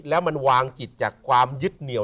แล้วมันวางจิตจากความยึดเหนียว